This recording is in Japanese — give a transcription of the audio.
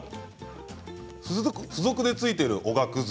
付属でついているおがくず